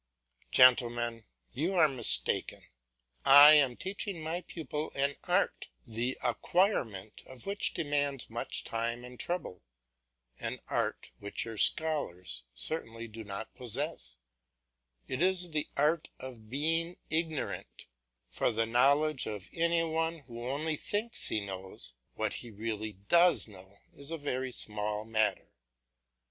Gentlemen, you are mistaken. I am teaching my pupil an art, the acquirement of which demands much time and trouble, an art which your scholars certainly do not possess; it is the art of being ignorant; for the knowledge of any one who only thinks he knows, what he really does know is a very small matter.